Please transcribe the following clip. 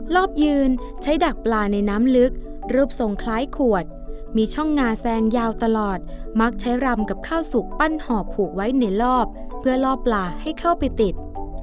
รอบยืนใช้ดักปลาในน้ำลึกรูปทรงคล้ายขวดมีช่องงาแซงยาวตลอดมักใช้รำกับข้าวสุกปั้นหอบผูกไว้ในรอบเพื่อล่อปลาให้เข้าไปติด